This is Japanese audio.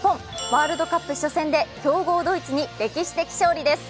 ワールドカップ初戦で強豪ドイツに歴史的勝利です。